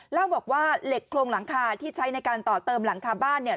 เล่าบอกว่าเหล็กโครงหลังคาที่ใช้ในการต่อเติมหลังคาบ้านเนี่ย